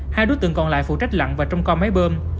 hai đối tượng còn lại phụ trách lặn và trông co máy bơm